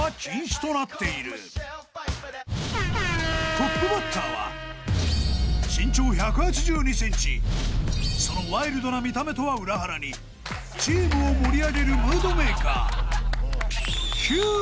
［トップバッターは身長１８２ｃｍそのワイルドな見た目とは裏腹にチームを盛り上げるムードメーカー］